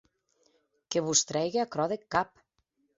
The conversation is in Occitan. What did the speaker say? Que se vos trèigue aquerò deth cap.